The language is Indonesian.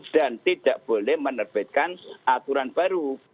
dan tidak boleh menerbitkan aturan baru